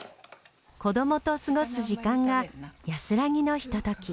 子どもと過ごす時間が安らぎのひととき。